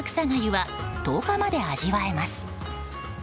がゆは１０日まで味わえます。